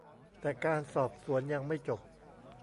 แต่การสอบสวนยังไม่จบ